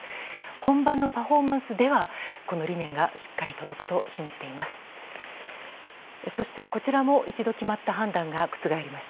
本番のパフォーマンスではこの理念がしっかり届くと信じています。